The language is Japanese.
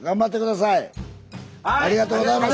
ありがとうございます。